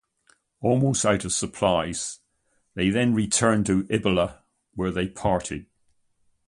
Almost out of supplies they then returned to Ilbilba where they parted.